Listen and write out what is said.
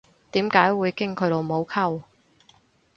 點解會經佢老母溝